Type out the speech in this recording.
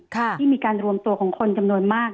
ที่มีการรวมตัวของคนจำนวนมาก